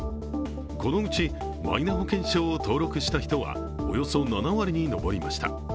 このうちマイナ保険証を登録した人はおよそ７割に上りました。